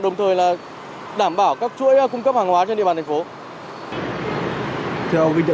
đồng thời là đảm bảo các chuỗi cung cấp hàng hóa trên địa bàn thành phố